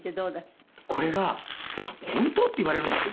これが「本当？」って言われるんですけど。